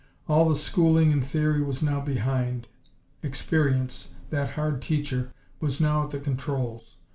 All the schooling in theory was now behind. Experience, that hard teacher, was now at the controls.